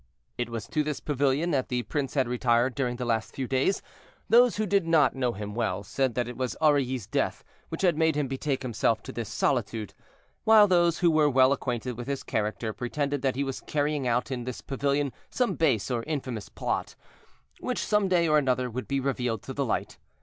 It was to this pavilion that the prince had retired during the last few days. Those who did not know him well said that it was Aurilly's death which had made him betake himself to this solitude; while those who were well acquainted with his character pretended that he was carrying out in this pavilion some base or infamous plot, which some day or another would be revealed to light.